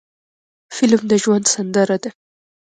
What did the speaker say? فلم د ژوند سندره ده